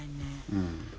うん。